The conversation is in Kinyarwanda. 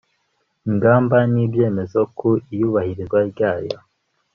ingamba n ibyemezo ku iyubahirizwa ryayo